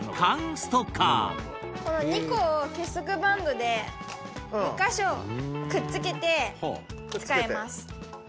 この２個を結束バンドで２カ所くっつけて使います。